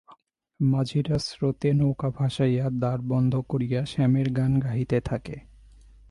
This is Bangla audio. মাঝিরা স্রোতে নৌকা ভাসাইয়া দাঁড় বন্ধ করিয়া শ্যামের গান গাহিতে থাকে।